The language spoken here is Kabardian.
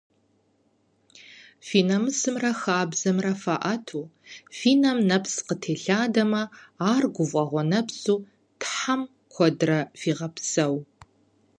Фи намысымрэ хабзэмрэ фаӏэту, фи нэм нэпс къытелъэдамэ ар гуфӏэгъуэ нэпсу Тхьэм куэдрэ фигъэпсэу!